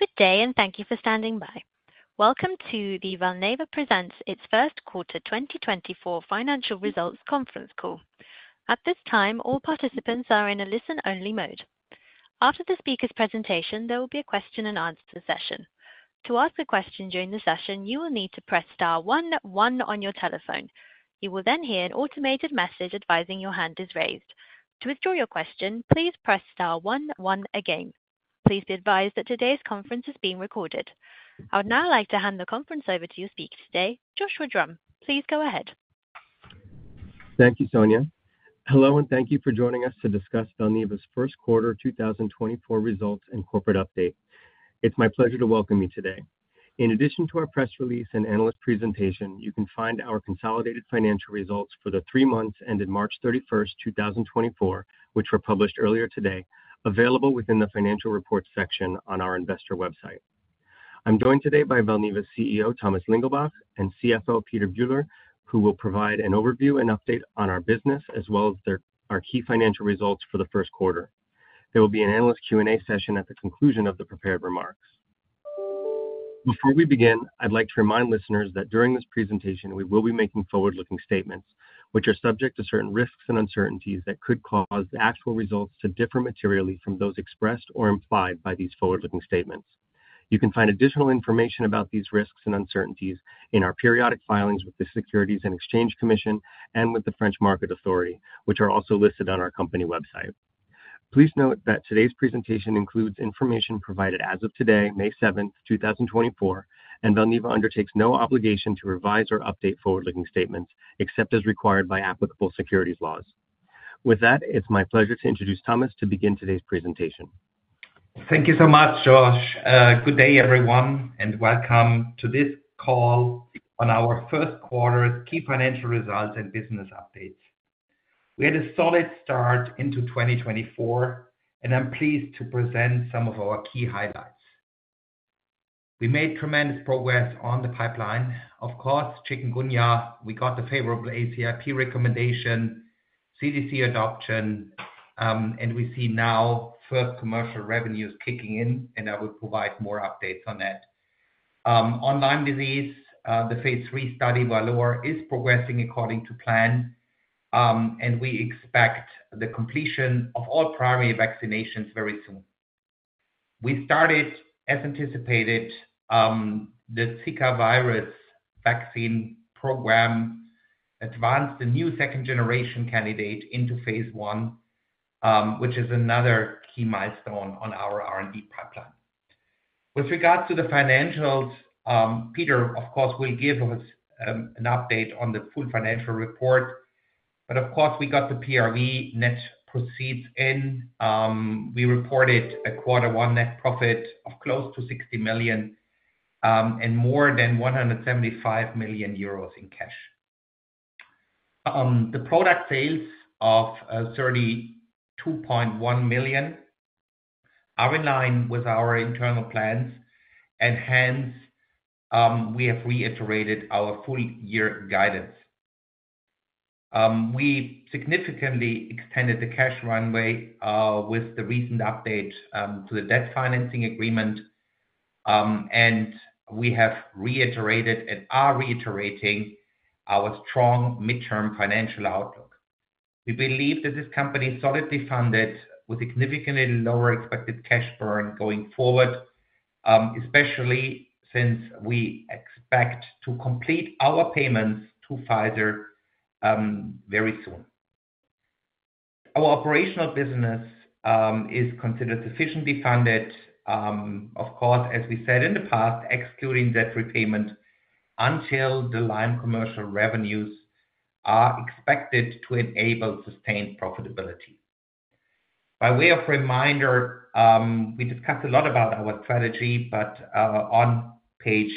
Good day and thank you for standing by. Welcome to the Valneva Presents Its First Quarter 2024 Financial Results Conference Call. At this time, all participants are in a listen-only mode. After the speaker's presentation, there will be a question-and-answer session. To ask a question during the session, you will need to press star 1 1 on your telephone. You will then hear an automated message advising your hand is raised. To withdraw your question, please press star 1 1 again. Please be advised that today's conference is being recorded. I would now like to hand the conference over to your speaker today, Joshua Drumm. Please go ahead. Thank you, Sonia. Hello and thank you for joining us to discuss Valneva's first quarter 2024 results and corporate update. It's my pleasure to welcome you today. In addition to our press release and analyst presentation, you can find our consolidated financial results for the three months ended March 31st, 2024, which were published earlier today, available within the financial reports section on our investor website. I'm joined today by Valneva CEO Thomas Lingelbach and CFO Peter Bühler, who will provide an overview and update on our business as well as our key financial results for the first quarter. There will be an analyst Q&A session at the conclusion of the prepared remarks. Before we begin, I'd like to remind listeners that during this presentation, we will be making forward-looking statements, which are subject to certain risks and uncertainties that could cause the actual results to differ materially from those expressed or implied by these forward-looking statements. You can find additional information about these risks and uncertainties in our periodic filings with the Securities and Exchange Commission and with the Autorité des marchés financiers, which are also listed on our company website. Please note that today's presentation includes information provided as of today, May 7th, 2024, and Valneva undertakes no obligation to revise or update forward-looking statements except as required by applicable securities laws. With that, it's my pleasure to introduce Thomas to begin today's presentation. Thank you so much, Josh. Good day, everyone, and welcome to this call on our first quarter's key financial results and business updates. We had a solid start into 2024, and I'm pleased to present some of our key highlights. We made tremendous progress on the pipeline. Of course, chikungunya, we got the favorable ACIP recommendation, CDC adoption, and we see now first commercial revenues kicking in, and I will provide more updates on that. On Lyme disease, the Phase III VALOR study is progressing according to plan, and we expect the completion of all primary vaccinations very soon. We started, as anticipated, the Zika virus vaccine program, advanced the new second-generation candidate into Phase I, which is another key milestone on our R&D pipeline. With regards to the financials, Peter, of course, will give us an update on the full financial report. Of course, we got the PRV net proceeds in. We reported a quarter one net profit of close to 60 million and more than 175 million euros in cash. The product sales of 32.1 million are in line with our internal plans, and hence, we have reiterated our full-year guidance. We significantly extended the cash runway with the recent update to the debt financing agreement, and we have reiterated and are reiterating our strong midterm financial outlook. We believe that this company is solidly funded with significantly lower expected cash burn going forward, especially since we expect to complete our payments to Pfizer very soon. Our operational business is considered sufficiently funded, of course, as we said in the past, excluding debt repayment until the Lyme commercial revenues are expected to enable sustained profitability. By way of reminder, we discussed a lot about our strategy, but on page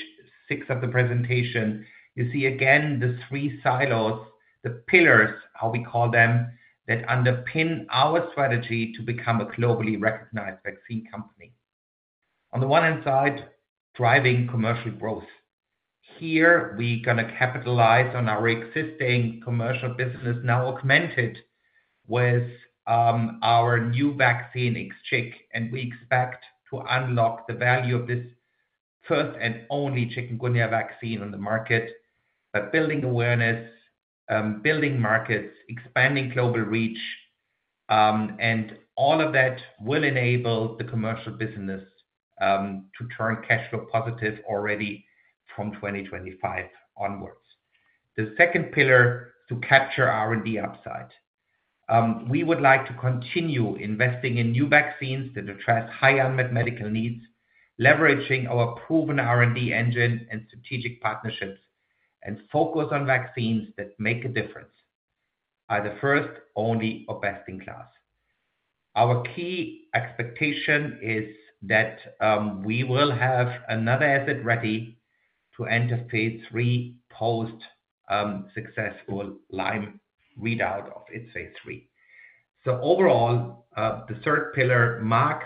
6 of the presentation, you see again the three silos, the pillars, how we call them, that underpin our strategy to become a globally recognized vaccine company. On the one hand side, driving commercial growth. Here, we're going to capitalize on our existing commercial business, now augmented with our new vaccine IXCHIQ, and we expect to unlock the value of this first and only chikungunya vaccine on the market by building awareness, building markets, expanding global reach, and all of that will enable the commercial business to turn cash flow positive already from 2025 onwards. The second pillar is to capture R&D upside. We would like to continue investing in new vaccines that address high unmet medical needs, leveraging our proven R&D engine and strategic partnerships, and focus on vaccines that make a difference, either first, only, or best-in-class. Our key expectation is that we will have another asset ready to enter Phase III post-successful Lyme readout of its Phase III. So overall, the third pillar marks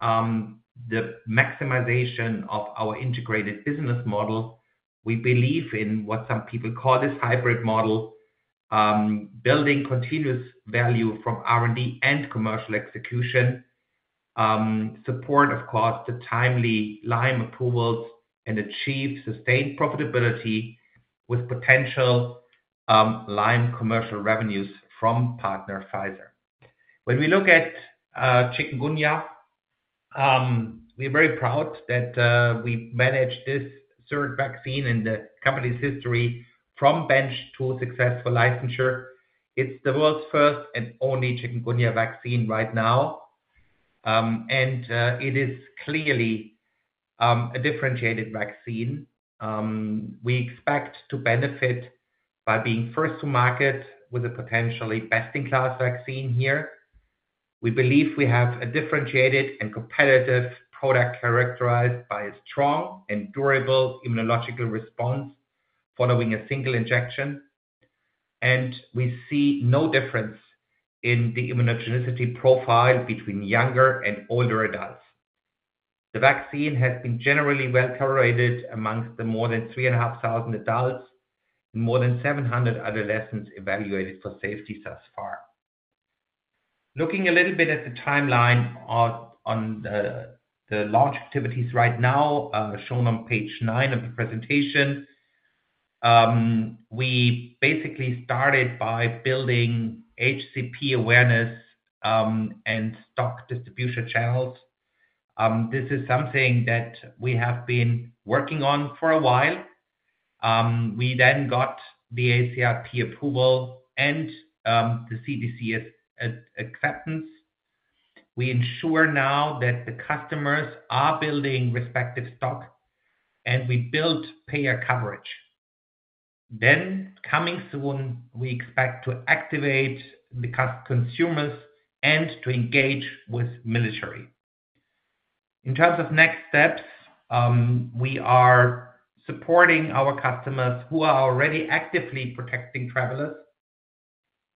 the maximization of our integrated business model. We believe in what some people call this hybrid model, building continuous value from R&D and commercial execution, support, of course, the timely Lyme approvals, and achieve sustained profitability with potential Lyme commercial revenues from partner Pfizer. When we look at chikungunya, we're very proud that we managed this third vaccine in the company's history from bench to successful licensure. It's the world's first and only chikungunya vaccine right now, and it is clearly a differentiated vaccine. We expect to benefit by being first to market with a potentially best-in-class vaccine here. We believe we have a differentiated and competitive product characterized by a strong and durable immunological response following a single injection, and we see no difference in the immunogenicity profile between younger and older adults. The vaccine has been generally well tolerated among the more than 3,500 adults and more than 700 adolescents evaluated for safety thus far. Looking a little bit at the timeline on the launch activities right now, shown on page 9 of the presentation, we basically started by building HCP awareness and stock distribution channels. This is something that we have been working on for a while. We then got the ACIP approval and the CDC's acceptance. We ensure now that the customers are building respective stock, and we built payer coverage. Then coming soon, we expect to activate the consumers and to engage with military. In terms of next steps, we are supporting our customers who are already actively protecting travelers.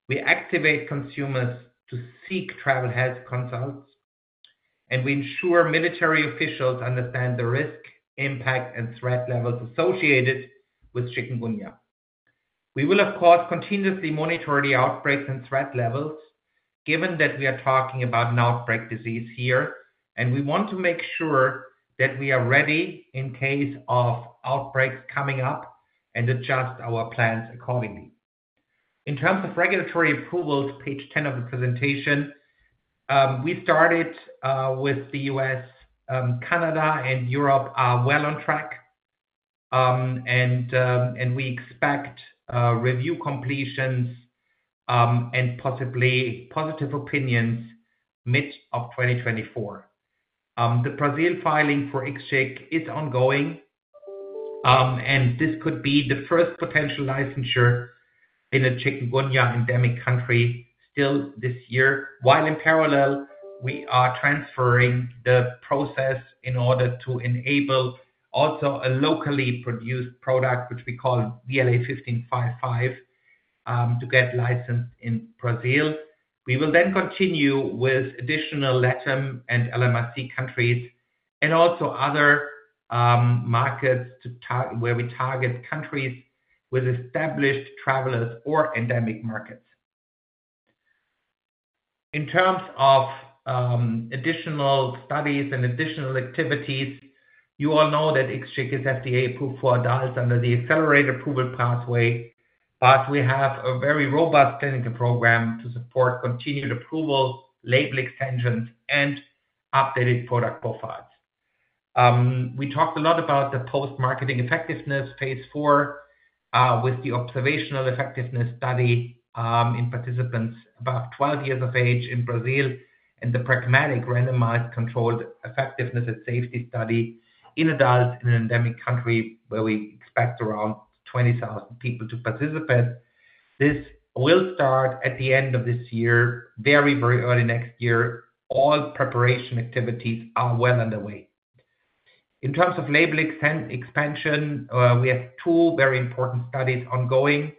We activate consumers to seek travel health consults, and we ensure military officials understand the risk, impact, and threat levels associated with chikungunya. We will, of course, continuously monitor the outbreaks and threat levels, given that we are talking about an outbreak disease here, and we want to make sure that we are ready in case of outbreaks coming up and adjust our plans accordingly. In terms of regulatory approvals, page 10 of the presentation, we started with the U.S., Canada, and Europe are well on track, and we expect review completions and possibly positive opinions mid-2024. The Brazil filing for IXCHIQ is ongoing, and this could be the first potential licensure in a chikungunya endemic country still this year. While in parallel, we are transferring the process in order to enable also a locally produced product, which we call VLA1555, to get licensed in Brazil. We will then continue with additional LATAM and LMIC countries and also other markets where we target countries with established travelers or endemic markets. In terms of additional studies and additional activities, you all know that IXCHIQ is FDA-approved for adults under the accelerated approval pathway, but we have a very robust clinical program to support continued approval, label extensions, and updated product profiles. We talked a lot about the post-marketing effectiveness Phase IV with the observational effectiveness study in participants above 12 years of age in Brazil and the pragmatic randomized controlled effectiveness and safety study in adults in an endemic country where we expect around 20,000 people to participate. This will start at the end of this year, very, very early next year. All preparation activities are well underway. In terms of label expansion, we have two very important studies ongoing.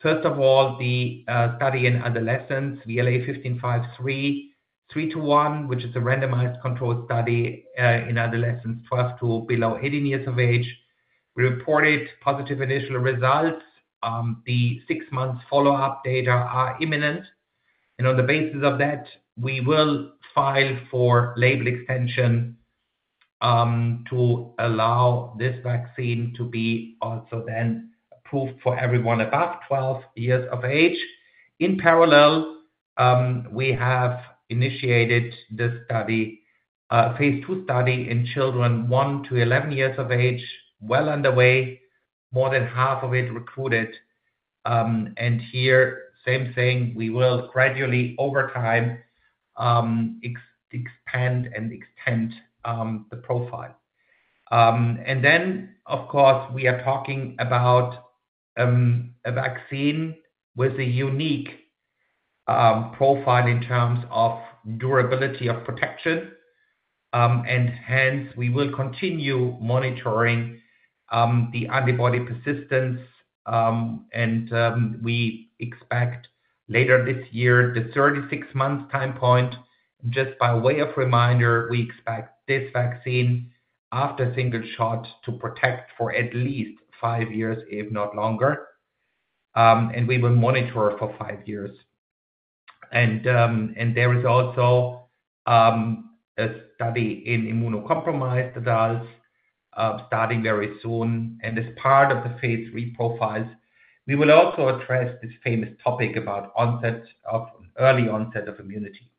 First of all, the study in adolescents, VLA1553, 3:1, which is a randomized controlled study in adolescents 12 to below 18 years of age. We reported positive initial results. The six-month follow-up data are imminent, and on the basis of that, we will file for label extension to allow this vaccine to be also then approved for everyone above 12 years of age. In parallel, we have initiated the Phase II study in children one to 11 years of age, well underway, more than half of it recruited. And here, same thing, we will gradually, over time, expand and extend the profile. And then, of course, we are talking about a vaccine with a unique profile in terms of durability of protection. And hence, we will continue monitoring the antibody persistence, and we expect later this year, the 36-month time point. Just by way of reminder, we expect this vaccine after a single shot to protect for at least five years, if not longer. And we will monitor for five years. And there is also a study in immunocompromised adults starting very soon. And as part of the Phase III profiles, we will also address this famous topic about early onset of immunity.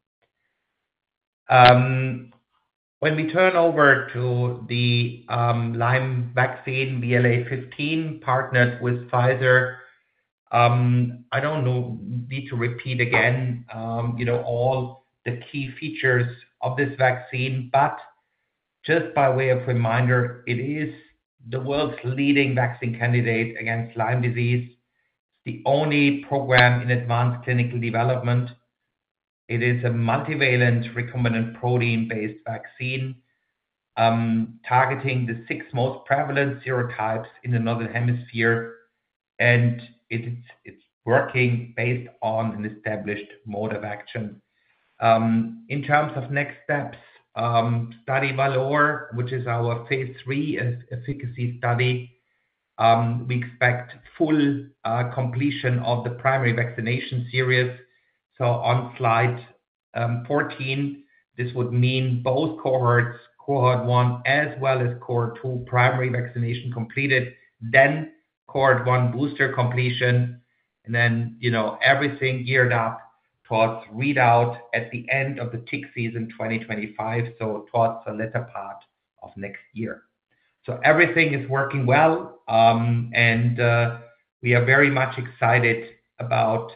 When we turn over to the Lyme vaccine, VLA15, partnered with Pfizer, I don't need to repeat again all the key features of this vaccine. But just by way of reminder, it is the world's leading vaccine candidate against Lyme disease. It's the only program in advanced clinical development. It is a multivalent recombinant protein-based vaccine targeting the six most prevalent serotypes in the northern hemisphere, and it's working based on an established mode of action. In terms of next steps, VALOR, which is our Phase III efficacy study, we expect full completion of the primary vaccination series. So on slide 14, this would mean both cohorts, cohort one as well as cohort two, primary vaccination completed, then cohort one booster completion, and then everything geared up towards readout at the end of the tick season 2025, so towards the latter part of next year. So everything is working well, and we are very much excited about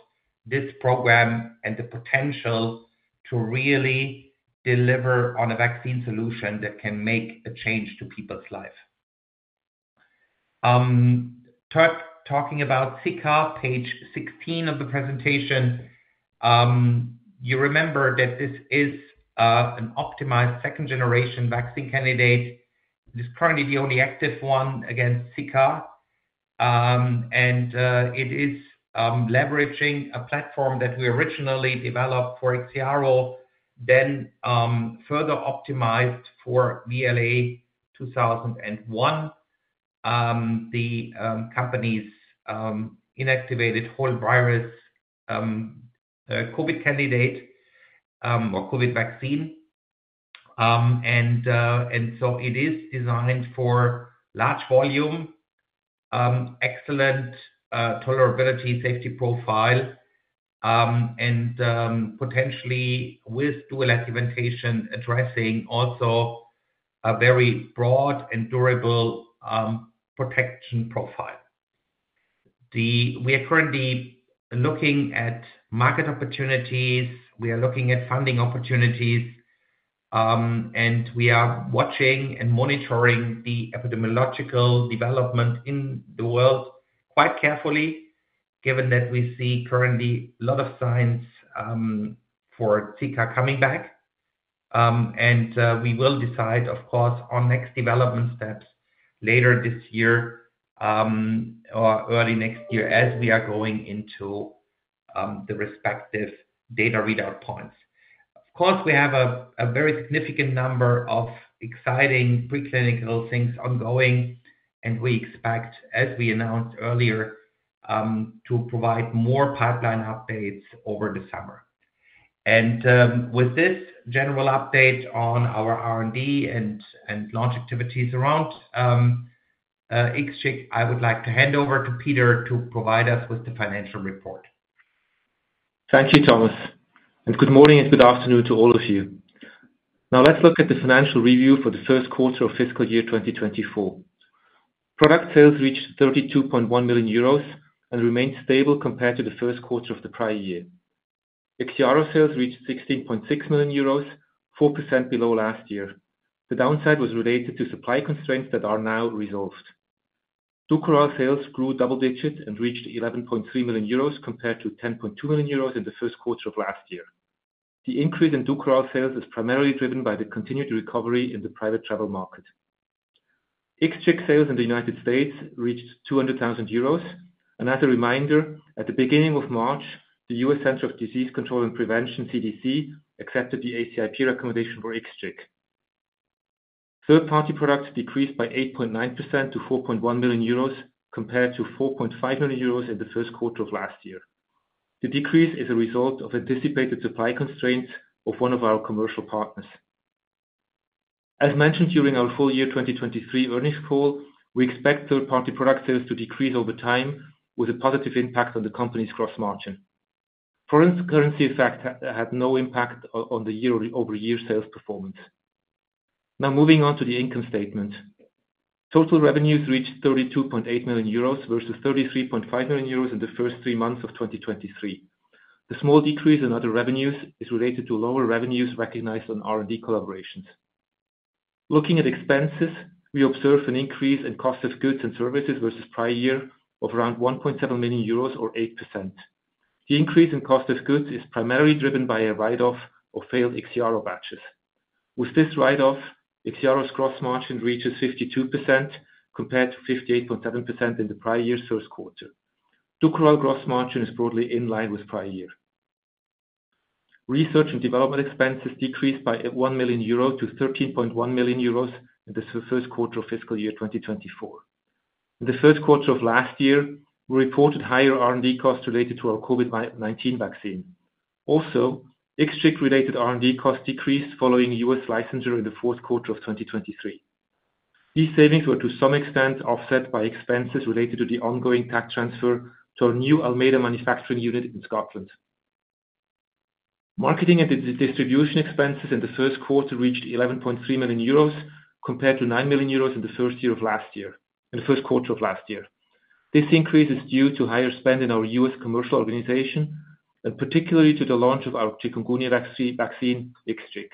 this program and the potential to really deliver on a vaccine solution that can make a change to people's lives. Talking about Zika, page 16 of the presentation, you remember that this is an optimized second-generation vaccine candidate. It is currently the only active one against Zika, and it is leveraging a platform that we originally developed for IXIARO, then further optimized for VLA2001, the company's inactivated whole virus COVID candidate or COVID vaccine. And so it is designed for large volume, excellent tolerability, safety profile, and potentially with dual activation, addressing also a very broad and durable protection profile. We are currently looking at market opportunities. We are looking at funding opportunities, and we are watching and monitoring the epidemiological development in the world quite carefully, given that we see currently a lot of signs for Zika coming back. We will decide, of course, on next development steps later this year or early next year as we are going into the respective data readout points. Of course, we have a very significant number of exciting preclinical things ongoing, and we expect, as we announced earlier, to provide more pipeline updates over the summer. With this general update on our R&D and launch activities around IXCHIQ, I would like to hand over to Peter to provide us with the financial report. Thank you, Thomas. Good morning and good afternoon to all of you. Now, let's look at the financial review for the first quarter of fiscal year 2024. Product sales reached 32.1 million euros and remained stable compared to the first quarter of the prior year. IXIARO sales reached 16.6 million euros, 4% below last year. The downside was related to supply constraints that are now resolved. DUKORAL sales grew double-digit and reached 11.3 million euros compared to 10.2 million euros in the first quarter of last year. The increase in DUKORAL sales is primarily driven by the continued recovery in the private travel market. IXCHIQ sales in the United States reached 200,000 euros. As a reminder, at the beginning of March, the U.S. Centers for Disease Control and Prevention, CDC, accepted the ACIP recommendation for IXCHIQ. Third-party products decreased by 8.9% to 4.1 million euros compared to 4.5 million euros in the first quarter of last year. The decrease is a result of anticipated supply constraints of one of our commercial partners. As mentioned during our full year 2023 earnings call, we expect third-party product sales to decrease over time with a positive impact on the company's gross margin. Foreign currency effect had no impact on the year-over-year sales performance. Now, moving on to the income statement, total revenues reached 32.8 million euros versus 33.5 million euros in the first three months of 2023. The small decrease in other revenues is related to lower revenues recognized on R&D collaborations. Looking at expenses, we observe an increase in cost of goods and services versus prior year of around 1.7 million euros or 8%. The increase in cost of goods is primarily driven by a write-off of failed IXIARO batches. With this write-off, IXIARO's gross margin reaches 52% compared to 58.7% in the prior year's first quarter. DUKORAL gross margin is broadly in line with prior year. Research and development expenses decreased by 1 million euro to 13.1 million euros in the first quarter of fiscal year 2024. In the first quarter of last year, we reported higher R&D costs related to our COVID-19 vaccine. Also, IXCHIQ-related R&D costs decreased following US licensure in the fourth quarter of 2023. These savings were to some extent offset by expenses related to the ongoing tech transfer to our new Almeida manufacturing unit in Scotland. Marketing and distribution expenses in the first quarter reached 11.3 million euros compared to 9 million euros in the first year of last year in the first quarter of last year. This increase is due to higher spend in our U.S. commercial organization and particularly to the launch of our chikungunya vaccine, IXCHIQ.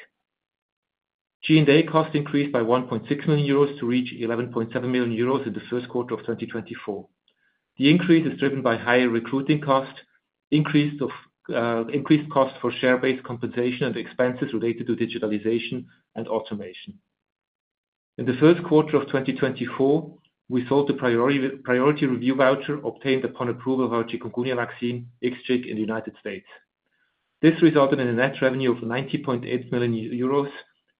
G&A costs increased by 1.6 million euros to reach 11.7 million euros in the first quarter of 2024. The increase is driven by higher recruiting costs, increased costs for share-based compensation, and expenses related to digitalization and automation. In the first quarter of 2024, we sold the Priority Review Voucher obtained upon approval of our chikungunya vaccine, IXCHIQ, in the United States. This resulted in a net revenue of 90.8 million euros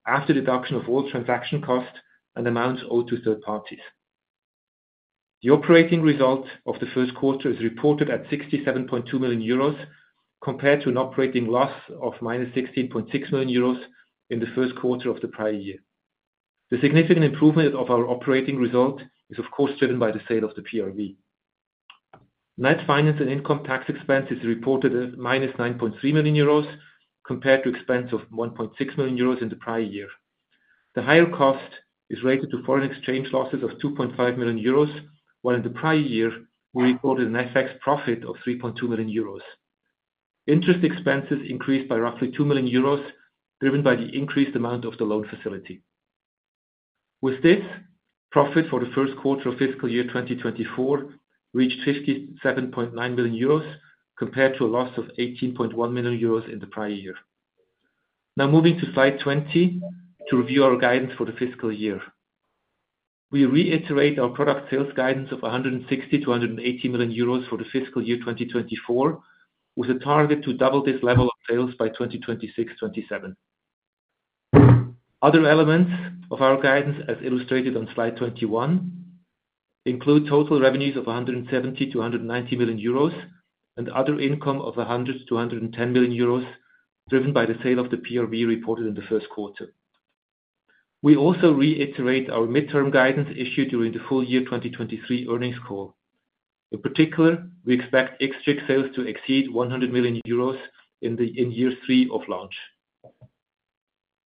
after deduction of all transaction costs and amounts owed to third parties. The operating result of the first quarter is reported at 67.2 million euros compared to an operating loss of -16.6 million euros in the first quarter of the prior year. The significant improvement of our operating result is, of course, driven by the sale of the PRV. Net finance and income tax expense is reported at -9.3 million euros compared to expense of 1.6 million euros in the prior year. The higher cost is related to foreign exchange losses of 2.5 million euros, while in the prior year, we reported an FX profit of 3.2 million euros. Interest expenses increased by roughly 2 million euros driven by the increased amount of the loan facility. With this, profit for the first quarter of fiscal year 2024 reached 57.9 million euros compared to a loss of 18.1 million euros in the prior year. Now, moving to slide 20 to review our guidance for the fiscal year, we reiterate our product sales guidance of 160 million-180 million euros for the fiscal year 2024 with a target to double this level of sales by 2026/27. Other elements of our guidance, as illustrated on slide 21, include total revenues of 170 million-190 million euros and other income of 100 million-110 million euros driven by the sale of the PRV reported in the first quarter. We also reiterate our midterm guidance issued during the full year 2023 earnings call. In particular, we expect IXCHIQ sales to exceed 100 million euros in year three of launch.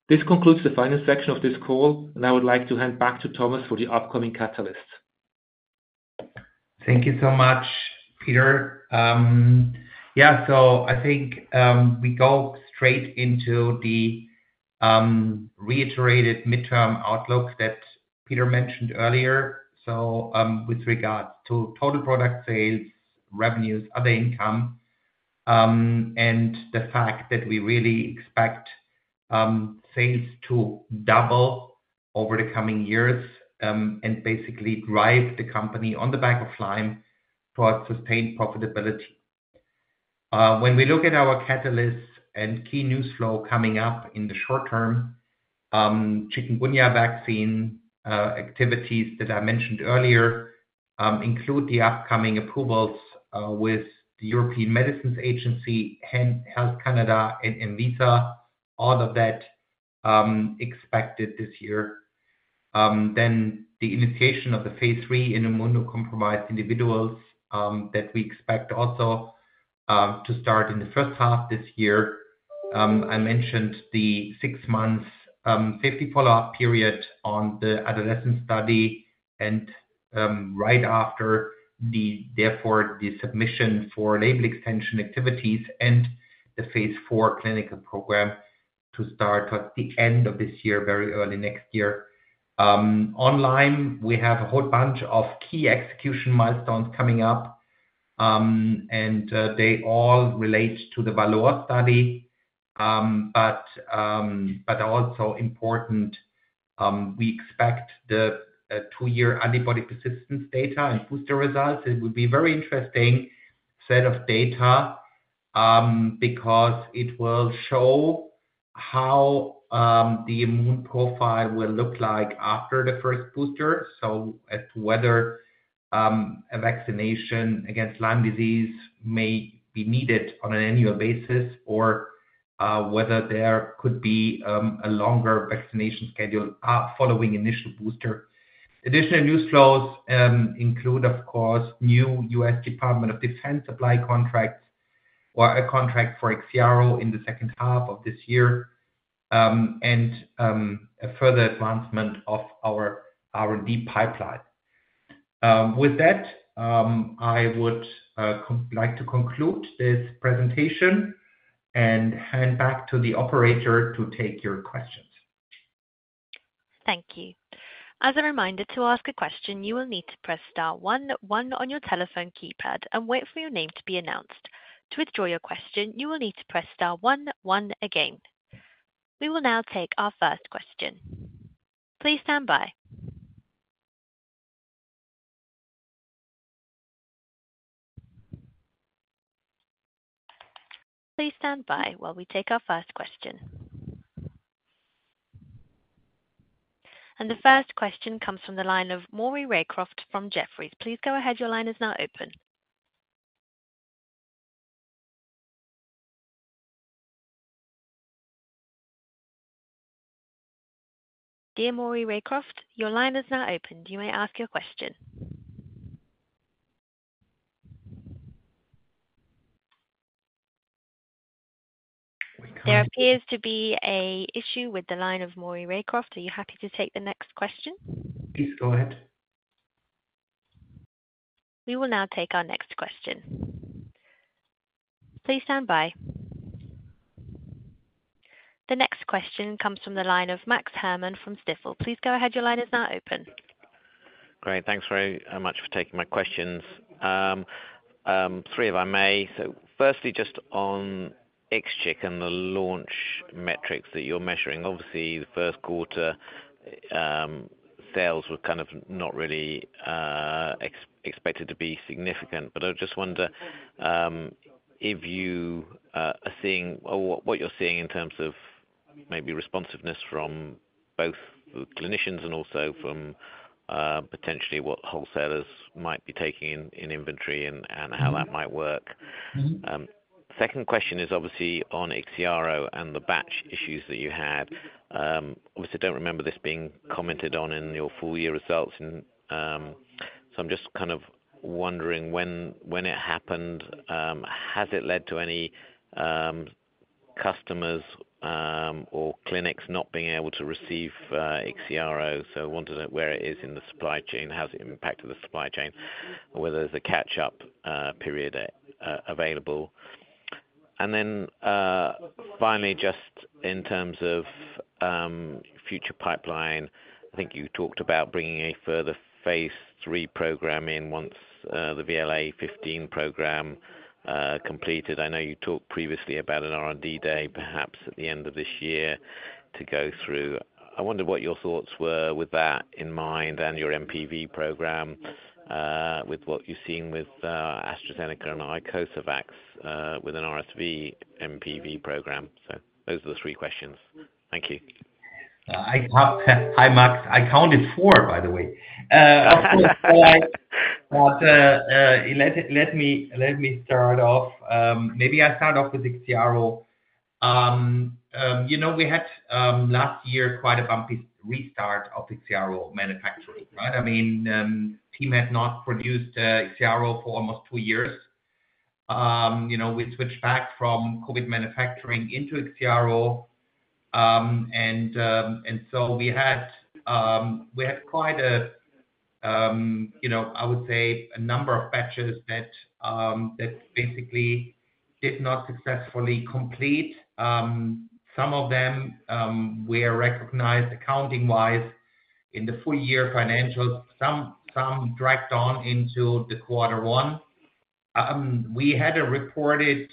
This concludes the final section of this call, and I would like to hand back to Thomas for the upcoming catalysts. Thank you so much, Peter. Yeah, so I think we go straight into the reiterated midterm outlook that Peter mentioned earlier. So with regards to total product sales, revenues, other income, and the fact that we really expect sales to double over the coming years and basically drive the company on the back of Lyme towards sustained profitability. When we look at our catalysts and key news flow coming up in the short term, chikungunya vaccine activities that I mentioned earlier include the upcoming approvals with the European Medicines Agency, Health Canada, and ANVISA. All of that expected this year. Then the initiation of the Phase III in immunocompromised individuals that we expect also to start in the first half this year. I mentioned the six-month safety follow-up period on the adolescent study and right after, therefore, the submission for label extension activities and the Phase IV clinical program to start towards the end of this year, very early next year. On Lyme, we have a whole bunch of key execution milestones coming up, and they all relate to the VALOR study. But also important, we expect the two-year antibody persistence data and booster results. It would be a very interesting set of data because it will show how the immune profile will look like after the first booster. So as to whether a vaccination against Lyme disease may be needed on an annual basis or whether there could be a longer vaccination schedule following initial booster. Additional news flows include, of course, new U.S. Department of Defense supply contracts or a contract for IXIARO in the second half of this year and a further advancement of our R&D pipeline. With that, I would like to conclude this presentation and hand back to the operator to take your questions. Thank you. As a reminder, to ask a question, you will need to press star 11 on your telephone keypad and wait for your name to be announced. To withdraw your question, you will need to press star 11 again. We will now take our first question. Please stand by. Please stand by while we take our first question. The first question comes from the line of Maury Raycroft from Jefferies. Please go ahead. Your line is now open. Dear Maury Raycroft, your line is now open. You may ask your question. There appears to be an issue with the line of Maury Raycroft. Are you happy to take the next question? Please go ahead. We will now take our next question. Please stand by. The next question comes from the line of Max Herrmann from Stifel. Please go ahead. Your line is now open. Great. Thanks very much for taking my questions. Three if I may. Firstly, just on IXCHIQ and the launch metrics that you're measuring, obviously, the first quarter sales were kind of not really expected to be significant. But I just wonder if you are seeing or what you're seeing in terms of maybe responsiveness from both the clinicians and also from potentially what wholesalers might be taking in inventory and how that might work. Second question is obviously on IXIARO and the batch issues that you had. Obviously, I don't remember this being commented on in your full year results. So I'm just kind of wondering when it happened. Has it led to any customers or clinics not being able to receive IXIARO? So I wonder where it is in the supply chain. Has it impacted the supply chain or whether there's a catch-up period available? Then finally, just in terms of future pipeline, I think you talked about bringing a further Phase III program in once the VLA15 program completed. I know you talked previously about an R&D day, perhaps at the end of this year, to go through. I wonder what your thoughts were with that in mind and your MPV program with what you've seen with AstraZeneca and Icosavax with an RSV MPV program. Those are the three questions. Thank you. Hi, Max. I counted four, by the way. Of course, but let me start off. Maybe I start off with IXIARO. We had last year quite a bumpy restart of IXIARO manufacturing, right? I mean, the team had not produced IXIARO for almost two years. We switched back from COVID manufacturing into IXIARO. And so we had quite a, I would say, a number of batches that basically did not successfully complete. Some of them were recognized accounting-wise in the full year financials. Some dragged on into the quarter one. We had a reported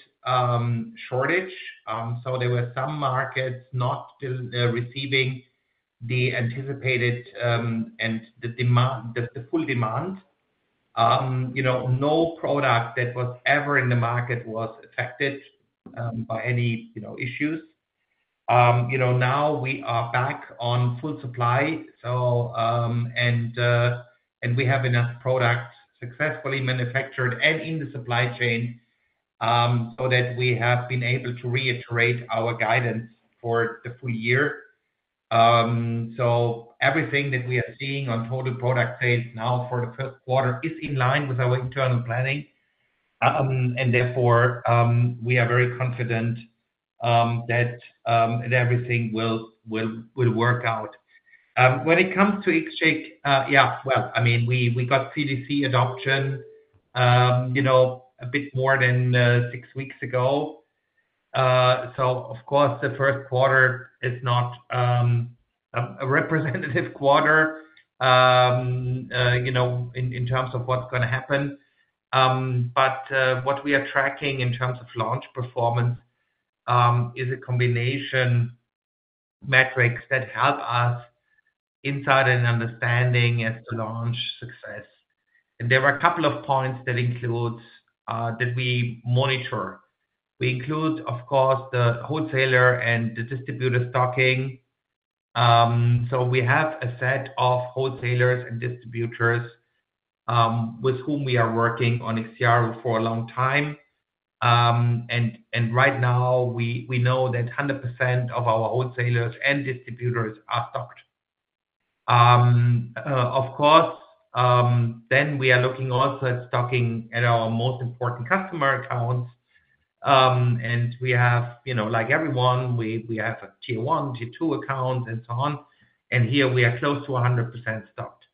shortage. So there were some markets not receiving the anticipated and the full demand. No product that was ever in the market was affected by any issues. Now we are back on full supply, and we have enough product successfully manufactured and in the supply chain so that we have been able to reiterate our guidance for the full year. So everything that we are seeing on total product sales now for the first quarter is in line with our internal planning. And therefore, we are very confident that everything will work out. When it comes to IXCHIQ, yeah, well, I mean, we got CDC adoption a bit more than six weeks ago. So of course, the first quarter is not a representative quarter in terms of what's going to happen. But what we are tracking in terms of launch performance is a combination of metrics that help us inside an understanding as to launch success. And there are a couple of points that we monitor. We include, of course, the wholesaler and the distributor stocking. So we have a set of wholesalers and distributors with whom we are working on IXIARO for a long time. And right now, we know that 100% of our wholesalers and distributors are stocked. Of course, then we are looking also at stocking at our most important customer accounts. And we have, like everyone, we have a Tier 1, Tier 2 account, and so on. And here, we are close to 100% stocked.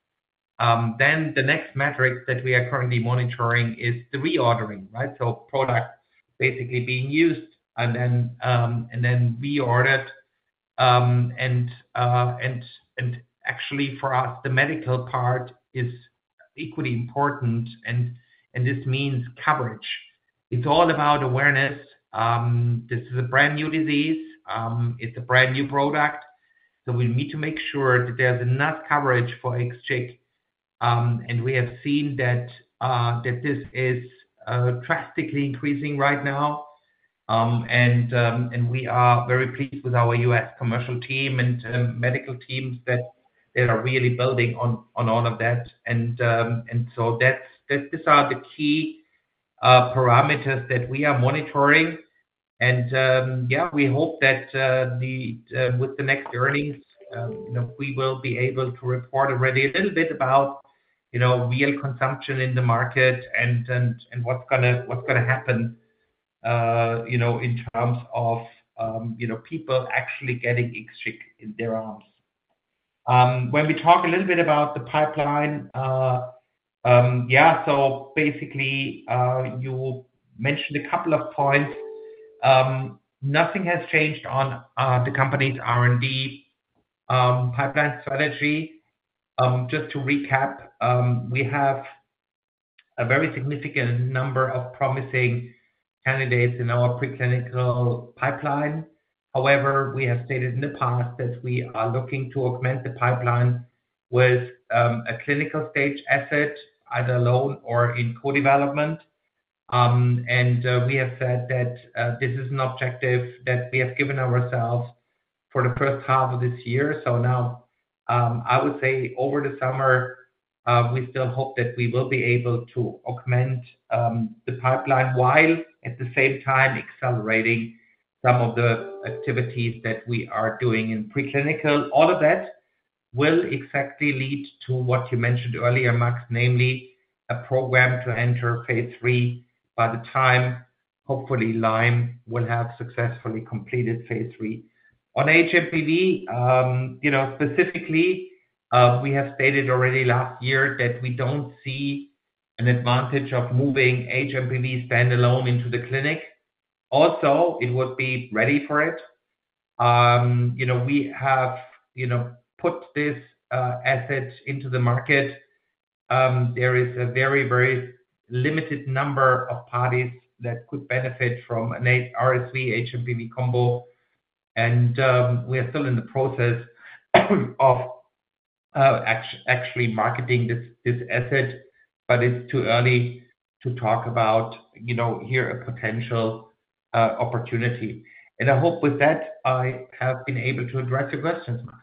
Then the next metrics that we are currently monitoring is the reordering, right? So product basically being used and then reordered. And actually, for us, the medical part is equally important, and this means coverage. It's all about awareness. This is a brand new disease. It's a brand new product. So we need to make sure that there's enough coverage for IXCHIQ. And we have seen that this is drastically increasing right now. We are very pleased with our U.S. commercial team and medical teams that are really building on all of that. So these are the key parameters that we are monitoring. Yeah, we hope that with the next earnings, we will be able to report already a little bit about real consumption in the market and what's going to happen in terms of people actually getting IXCHIQ in their arms. When we talk a little bit about the pipeline, yeah, so basically, you mentioned a couple of points. Nothing has changed on the company's R&D pipeline strategy. Just to recap, we have a very significant number of promising candidates in our preclinical pipeline. However, we have stated in the past that we are looking to augment the pipeline with a clinical stage asset, either alone or in co-development. We have said that this is an objective that we have given ourselves for the first half of this year. So now, I would say over the summer, we still hope that we will be able to augment the pipeline while, at the same time, accelerating some of the activities that we are doing in preclinical. All of that will exactly lead to what you mentioned earlier, Max, namely a program to enter Phase III by the time, hopefully, Lyme will have successfully completed Phase III. On HMPV, specifically, we have stated already last year that we don't see an advantage of moving HMPV standalone into the clinic. Also, it would be ready for it. We have put this asset into the market. There is a very, very limited number of parties that could benefit from an RSV-HMPV combo. We are still in the process of actually marketing this asset, but it's too early to talk about here a potential opportunity. I hope with that, I have been able to address your questions, Max.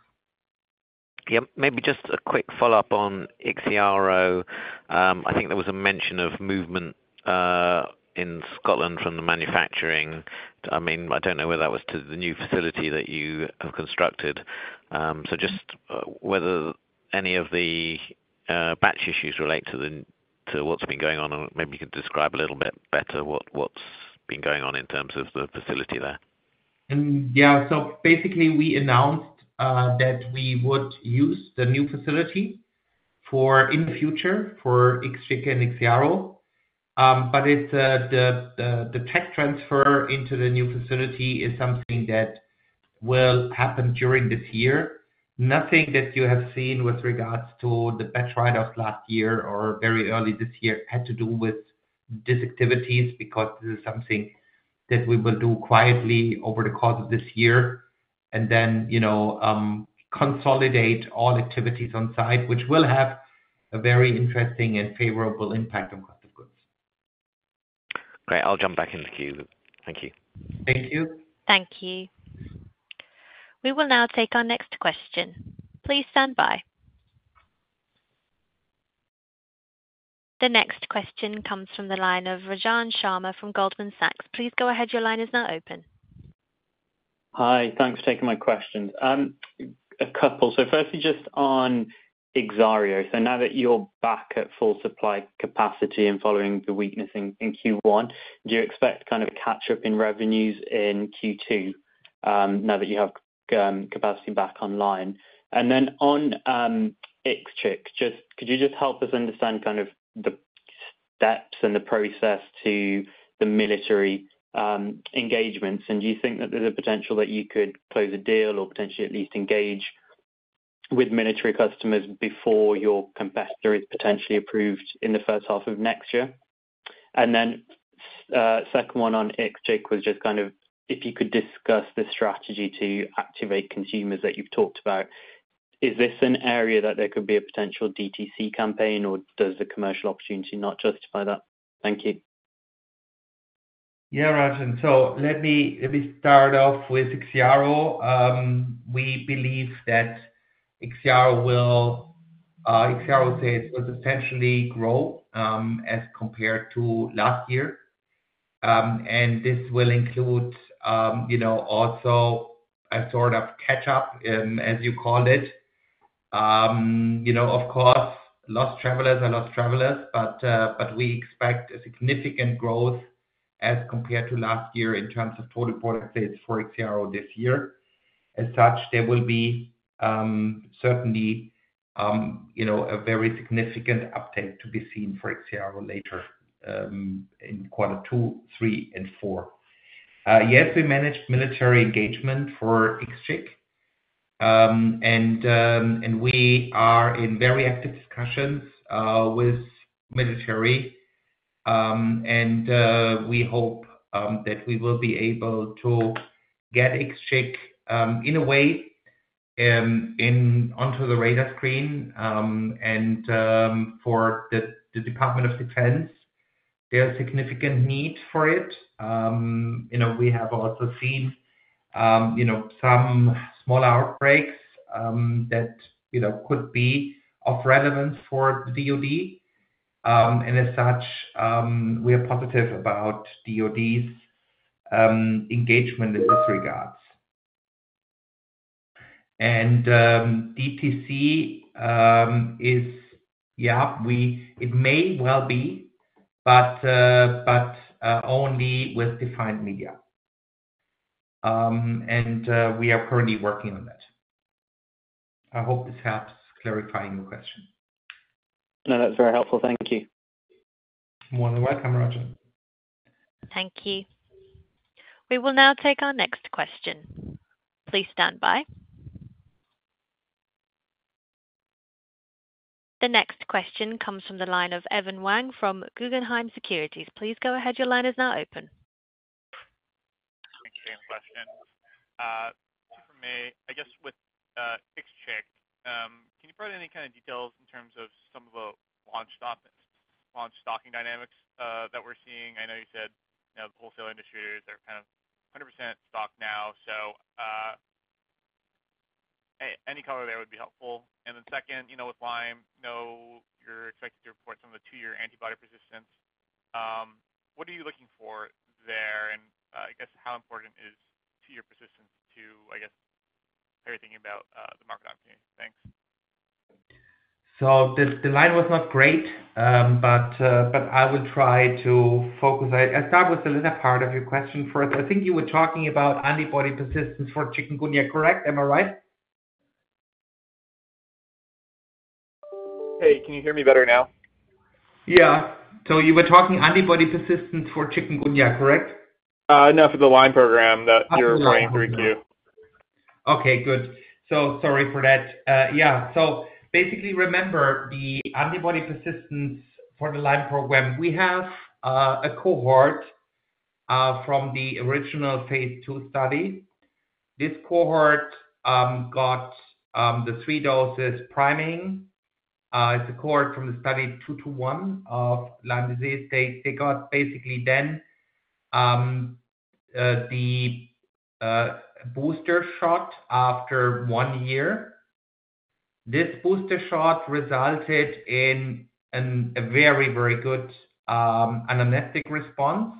Yeah. Maybe just a quick follow-up on IXIARO. I think there was a mention of movement in Scotland from the manufacturing. I mean, I don't know whether that was to the new facility that you have constructed. So just whether any of the batch issues relate to what's been going on, and maybe you could describe a little bit better what's been going on in terms of the facility there. Yeah, so basically, we announced that we would use the new facility in the future for IXCHIQ and IXIARO. But the tech transfer into the new facility is something that will happen during this year. Nothing that you have seen with regards to the batch write-offs last year or very early this year had to do with these activities because this is something that we will do quietly over the course of this year and then consolidate all activities on site, which will have a very interesting and favorable impact on cost of goods. Great. I'll jump back into queue. Thank you. Thank you. Thank you. We will now take our next question. Please stand by. The next question comes from the line of Rajan Sharma from Goldman Sachs. Please go ahead. Your line is now open. Hi. Thanks for taking my questions. A couple. So firstly, just on IXIARO. So now that you're back at full supply capacity and following the weakness in Q1, do you expect kind of a catch-up in revenues in Q2 now that you have capacity back online? And then on IXCHIQ, could you just help us understand kind of the steps and the process to the military engagements? And do you think that there's a potential that you could close a deal or potentially at least engage with military customers before your competitor is potentially approved in the first half of next year? And then second one on IXCHIQ was just kind of if you could discuss the strategy to activate consumers that you've talked about. Is this an area that there could be a potential DTC campaign, or does the commercial opportunity not justify that? Thank you. Yeah, Rajan. So let me start off with IXIARO. We believe that IXIARO will say it will substantially grow as compared to last year. And this will include also a sort of catch-up, as you called it. Of course, lost travelers are lost travelers, but we expect a significant growth as compared to last year in terms of total product sales for IXIARO this year. As such, there will be certainly a very significant uptake to be seen for IXIARO later in quarter two, three, and four. Yes, we managed military engagement for IXCHIQ. And we are in very active discussions with military. And we hope that we will be able to get IXCHIQ in a way onto the radar screen. And for the Department of Defense, there's significant need for it. We have also seen some small outbreaks that could be of relevance for the DOD. As such, we are positive about DOD's engagement in this regard. DTC, yeah, it may well be, but only with defined media. We are currently working on that. I hope this helps clarifying your question. No, that's very helpful. Thank you. You're more than welcome, Rajan. Thank you. We will now take our next question. Please stand by. The next question comes from the line of Evan Wang from Guggenheim Securities. Please go ahead. Your line is now open. Thank you for the question. I guess with IXCHIQ, can you provide any kind of details in terms of some of the launch stocking dynamics that we're seeing? I know you said the wholesale inventory is kind of 100% stocked now. So any color there would be helpful. And then second, with Lyme, you're expected to report some of the two-year antibody persistence. What are you looking for there? And I guess how important is two-year persistence to, I guess, how you're thinking about the market opportunity? Thanks. The line was not great, but I will try to focus. I'll start with the latter part of your question first. I think you were talking about antibody persistence for chikungunya, correct? Am I right? Hey, can you hear me better now? Yeah. So you were talking antibody persistence for chikungunya, correct? No, for the Lyme program that you're referring through Q. Okay. Good. So sorry for that. Yeah. So basically, remember the antibody persistence for the Lyme program. We have a cohort from the original Phase II study. This cohort got the 3 doses priming. It's a cohort from the study 221 of Lyme disease. They got basically then the booster shot after 1 year. This booster shot resulted in a very, very good anamnestic response.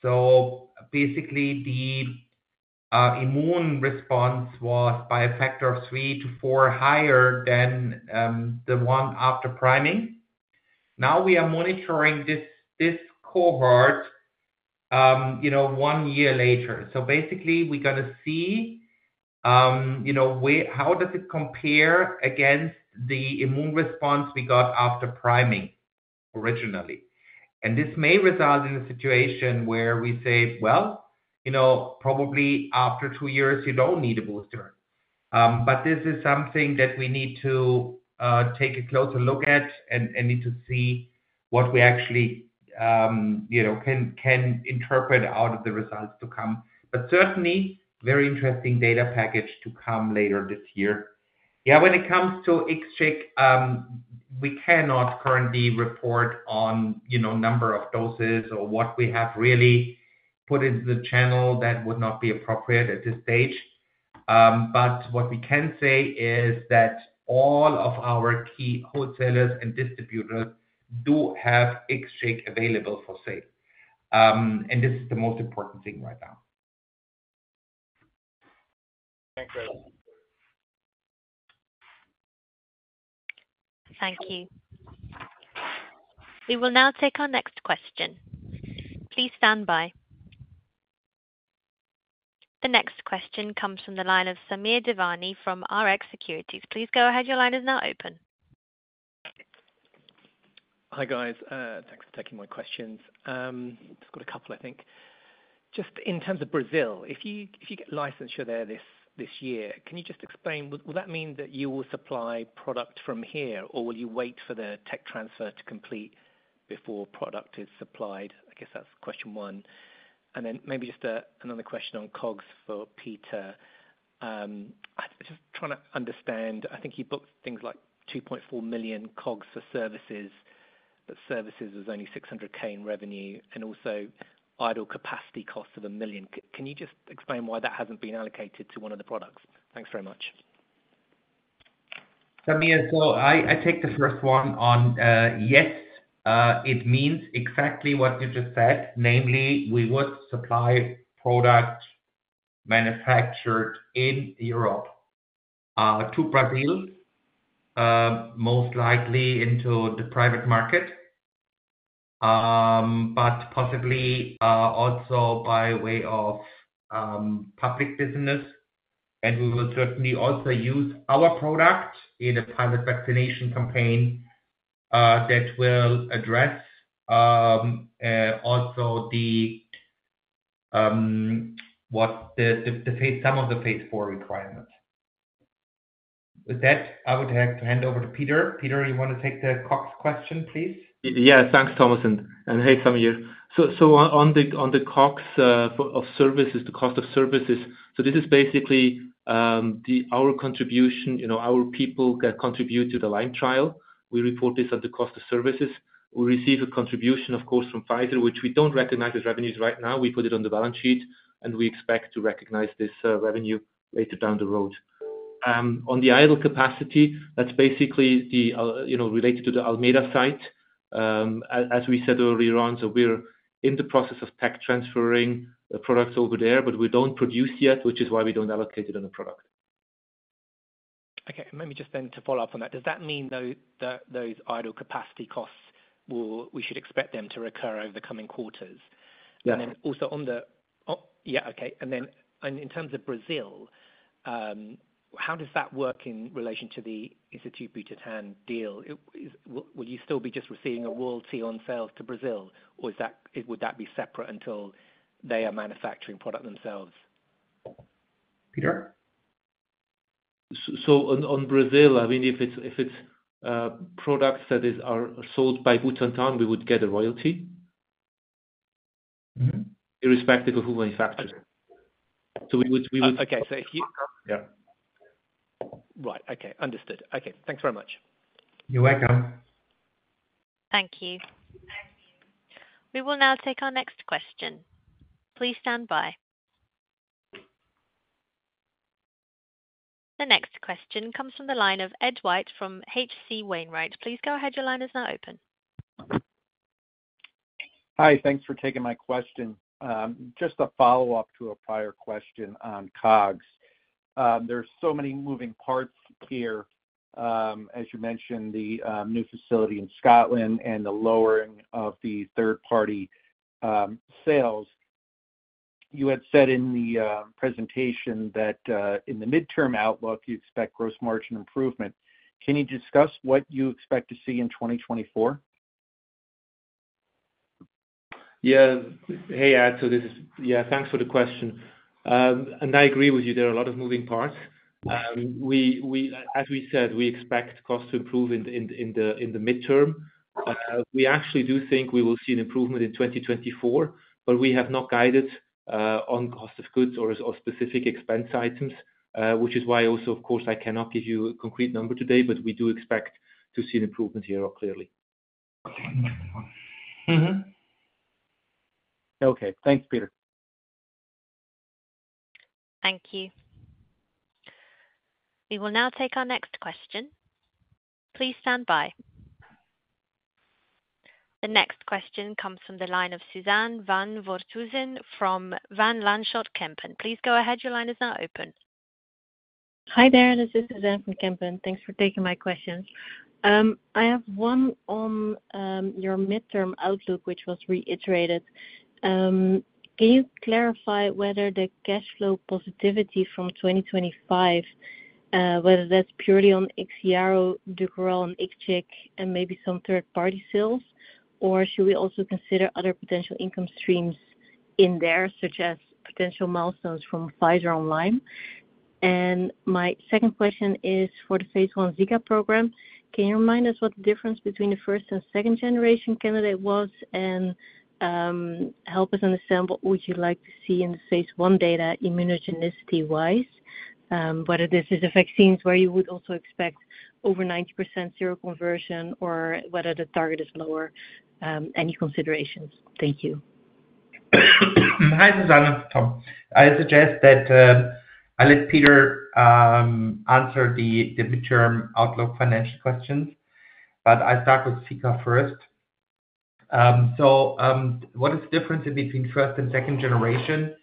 So basically, the immune response was by a factor of 3-4 higher than the one after priming. Now we are monitoring this cohort 1 year later. So basically, we're going to see how does it compare against the immune response we got after priming originally? And this may result in a situation where we say, "Well, probably after two years, you don't need a booster." But this is something that we need to take a closer look at and need to see what we actually can interpret out of the results to come. But certainly, very interesting data package to come later this year. Yeah, when it comes to IXCHIQ, we cannot currently report on number of doses or what we have really put into the channel. That would not be appropriate at this stage. But what we can say is that all of our key wholesalers and distributors do have IXCHIQ available for sale. And this is the most important thing right now. Thanks, Rajan. Thank you. We will now take our next question. Please stand by. The next question comes from the line of Samir Devani from Rx Securities. Please go ahead. Your line is now open. Hi, guys. Thanks for taking my questions. Just got a couple, I think. Just in terms of Brazil, if you get licensure there this year, can you just explain, will that mean that you will supply product from here, or will you wait for the tech transfer to complete before product is supplied? I guess that's question one. And then maybe just another question on COGS for Peter. I'm just trying to understand. I think you booked things like 2.4 million COGS for services, but services was only 600,000 in revenue and also idle capacity costs of 1 million. Can you just explain why that hasn't been allocated to one of the products? Thanks very much. Sameer, so I take the first one on yes. It means exactly what you just said, namely, we would supply product manufactured in Europe to Brazil, most likely into the private market, but possibly also by way of public business. And we will certainly also use our product in a pilot vaccination campaign that will address also some of the Phase IV requirements. With that, I would have to hand over to Peter. Peter, you want to take the COGS question, please? Yeah. Thanks, Thomas. And hey, Samir. So on the COGS of services, the cost of services, so this is basically our contribution. Our people contribute to the Lyme trial. We report this at the cost of services. We receive a contribution, of course, from Pfizer, which we don't recognize as revenues right now. We put it on the balance sheet, and we expect to recognize this revenue later down the road. On the idle capacity, that's basically related to the Almeida site. As we said earlier, Rajan, so we're in the process of tech transferring the products over there, but we don't produce yet, which is why we don't allocate it on the product. Okay. And maybe just then to follow up on that, does that mean, though, that those idle capacity costs, we should expect them to recur over the coming quarters? And then also on the yeah, okay. And then in terms of Brazil, how does that work in relation to the Instituto Butantan deal? Will you still be just receiving a royalty on sales to Brazil, or would that be separate until they are manufacturing product themselves? Peter? So on Brazil, I mean, if it's products that are sold by Butantan, we would get a royalty irrespective of who manufactures. So we would. Okay. So if you. Yeah. Right. Okay. Understood. Okay. Thanks very much. You're welcome. Thank you. We will now take our next question. Please stand by. The next question comes from the line of Ed White from H.C. Wainwright. Please go ahead. Your line is now open. Hi. Thanks for taking my question. Just a follow-up to a prior question on COGS. There are so many moving parts here. As you mentioned, the new facility in Scotland and the lowering of the third-party sales. You had said in the presentation that in the midterm outlook, you expect gross margin improvement. Can you discuss what you expect to see in 2024? Yeah. Hey. Yeah, thanks for the question. And I agree with you. There are a lot of moving parts. As we said, we expect costs to improve in the midterm. We actually do think we will see an improvement in 2024, but we have not guided on cost of goods or specific expense items, which is why also, of course, I cannot give you a concrete number today, but we do expect to see an improvement here clearly. Okay. Thanks, Peter. Thank you. We will now take our next question. Please stand by. The next question comes from the line of Suzanne van Voorthuizen from Van Lanschot Kempen. Please go ahead. Your line is now open. Hi there. This is Suzanne from Kempen. Thanks for taking my questions. I have one on your midterm outlook, which was reiterated. Can you clarify whether the cash flow positivity from 2025, whether that's purely on IXIARO, DUKORAL, and IXCHIQ, and maybe some third-party sales, or should we also consider other potential income streams in there, such as potential milestones from Pfizer on Lyme? And my second question is for the Phase I Zika program. Can you remind us what the difference between the first and second-generation candidate was and help us understand what would you like to see in the Phase I data immunogenicity-wise, whether this is the vaccines where you would also expect over 90% seroconversion, or whether the target is lower? Any considerations? Thank you. Hi, Susanne. Tom. I suggest that I let Peter answer the midterm outlook financial questions, but I'll start with Zika first. So what is the difference in between first and second generation?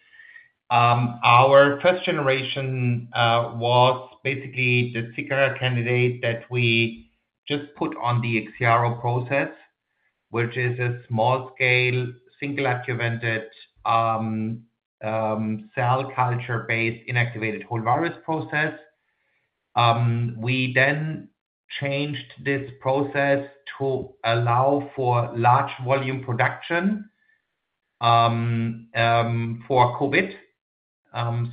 Our first generation was basically the Zika candidate that we just put on the IXIARO process, which is a small-scale, single-adjuvanted, cell culture-based, inactivated whole virus process. We then changed this process to allow for large-volume production for COVID.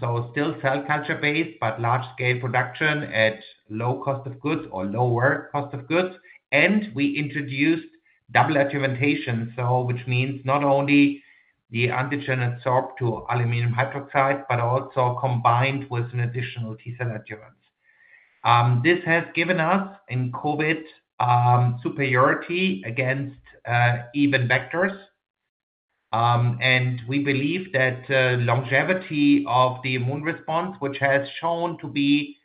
So still cell culture-based, but large-scale production at low cost of goods or lower cost of goods. And we introduced double adjuvantation, which means not only the antigen adsorb to aluminum hydroxide, but also combined with an additional T-cell adjuvant. This has given us, in COVID, superiority against even vectors. And we believe that longevity of the immune response, which has shown to be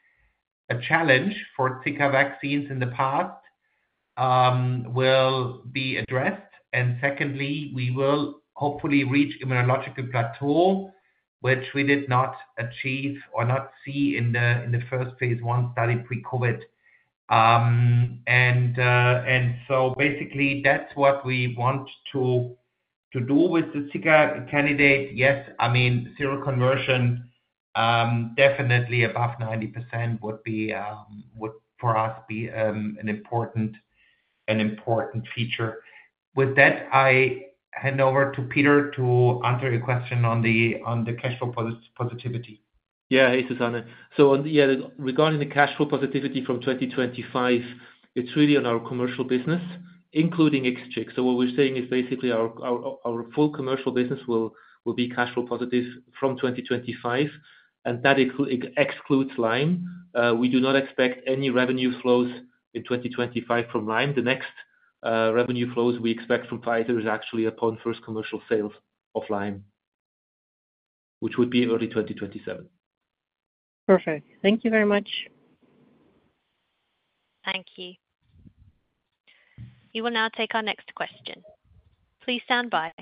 a challenge for Zika vaccines in the past, will be addressed. Secondly, we will hopefully reach immunological plateau, which we did not achieve or not see in the first Phase I study pre-COVID. So basically, that's what we want to do with the Zika candidate. Yes, I mean, seroconversion, definitely above 90%, would for us be an important feature. With that, I hand over to Peter to answer your question on the cash flow positivity. Yeah. Hey, Susanne. So yeah, regarding the cash flow positivity from 2025, it's really on our commercial business, including IXCHIQ. So what we're saying is basically our full commercial business will be cash flow positive from 2025, and that excludes Lyme. We do not expect any revenue flows in 2025 from Lyme. The next revenue flows we expect from Pfizer is actually upon first commercial sales of Lyme, which would be early 2027. Perfect. Thank you very much. Thank you. We will now take our next question. Please stand by.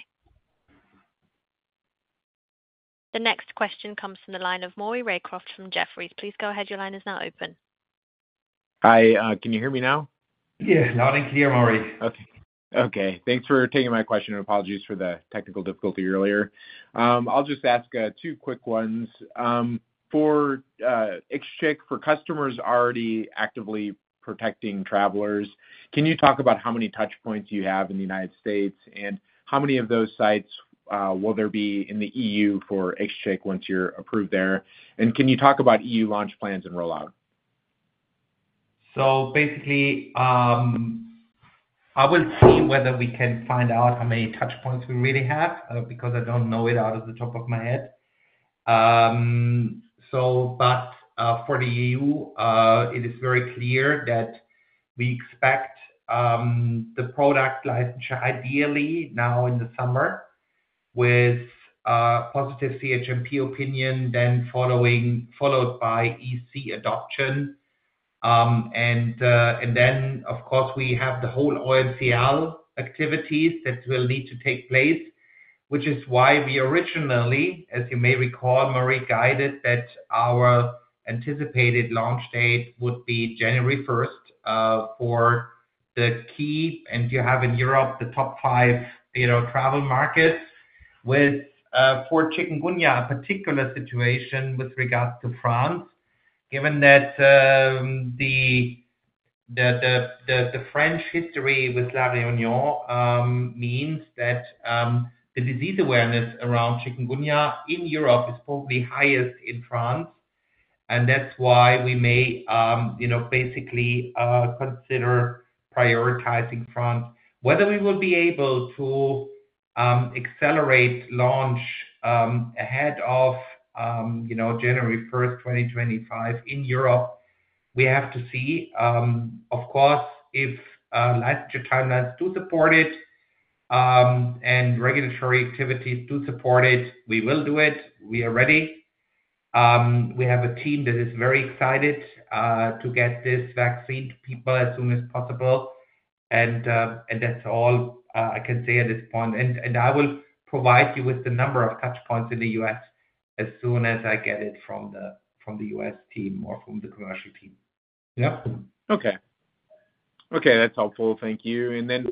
The next question comes from the line of Maury Raycroft from Jefferies. Please go ahead. Your line is now open. Hi. Can you hear me now? Yeah. Loud and clear, Maury. Okay. Thanks for taking my question. Apologies for the technical difficulty earlier. I'll just ask two quick ones. For IXCHIQ, for customers already actively protecting travelers, can you talk about how many touchpoints you have in the United States and how many of those sites will there be in the EU for IXCHIQ once you're approved there? And can you talk about EU launch plans and rollout? So basically, I will see whether we can find out how many touchpoints we really have because I don't know it off the top of my head. But for the EU, it is very clear that we expect the product licensure ideally now in the summer with positive CHMP opinion, then followed by EC adoption. And then, of course, we have the whole OMCL activities that will need to take place, which is why we originally, as you may recall, Maury, guided that our anticipated launch date would be January 1st for the key and you have in Europe the top five travel markets with for chikungunya, a particular situation with regards to France, given that the French history with La Réunion means that the disease awareness around chikungunya in Europe is probably highest in France. And that's why we may basically consider prioritizing France. Whether we will be able to accelerate launch ahead of January 1st, 2025, in Europe, we have to see. Of course, if licensure timelines do support it and regulatory activities do support it, we will do it. We are ready. We have a team that is very excited to get this vaccine to people as soon as possible. That's all I can say at this point. I will provide you with the number of touchpoints in the US as soon as I get it from the US team or from the commercial team. Yeah. Okay. Okay. That's helpful. Thank you. And then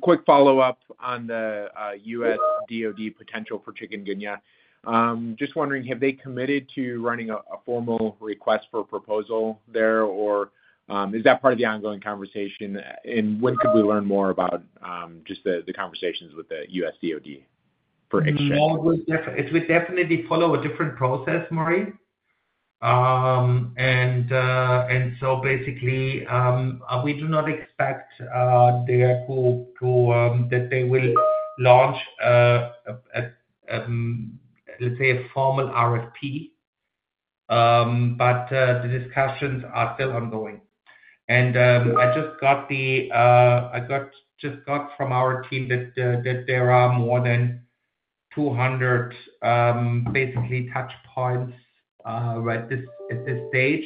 quick follow-up on the U.S. DOD potential for chikungunya. Just wondering, have they committed to running a formal request for a proposal there, or is that part of the ongoing conversation? And when could we learn more about just the conversations with the U.S. DOD for IXCHIQ? It will definitely follow a different process, Maury. And so basically, we do not expect that they will launch, let's say, a formal RFP, but the discussions are still ongoing. And I just got from our team that there are more than 200 basically touchpoints at this stage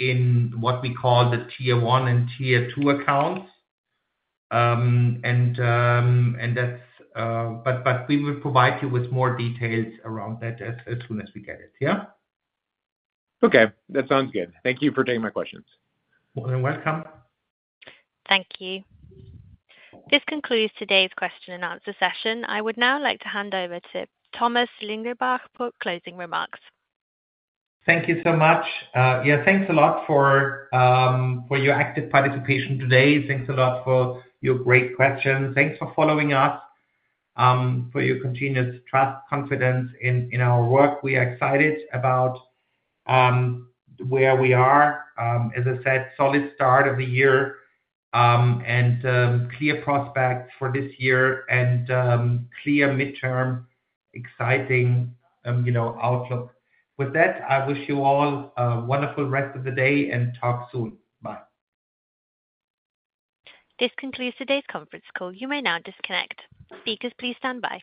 in what we call the Tier 1 and Tier 2 accounts. But we will provide you with more details around that as soon as we get it. Yeah? Okay. That sounds good. Thank you for taking my questions. You're welcome. Thank you. This concludes today's question and answer session. I would now like to hand over to Thomas Lingelbach for closing remarks. Thank you so much. Yeah, thanks a lot for your active participation today. Thanks a lot for your great questions. Thanks for following us, for your continuous trust, confidence in our work. We are excited about where we are. As I said, solid start of the year and clear prospects for this year and clear midterm, exciting outlook. With that, I wish you all a wonderful rest of the day and talk soon. Bye. This concludes today's conference call. You may now disconnect. Speakers, please stand by.